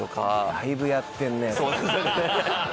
だいぶやってんね。